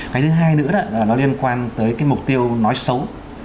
cái thứ hai nữa là nó liên quan tới cái mục tiêu nói xấu